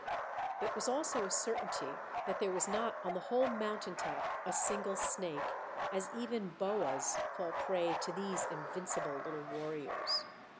It was also a certainty that there was not on the whole mountain top a single snake, as even boas fall prey to these invincible little warriors.